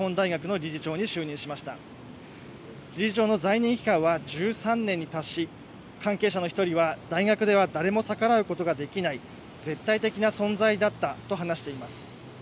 理事長の在任期間は１３年に達し関係者の１人は大学では誰も逆らうことができない絶対的な存在だったと話しています。